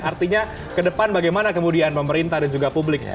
artinya ke depan bagaimana kemudian pemerintah dan juga publik ya